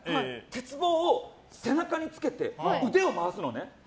鉄棒を背中につけて腕を回すのね。